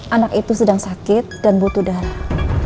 anak itu sedang sakit dan butuh darah